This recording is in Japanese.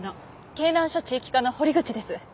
京南署地域課の堀口です。